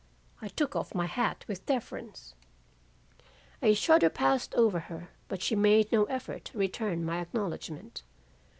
I took off my hat with deference. "A shudder passed over her, but she made no effort to return my acknowledgement.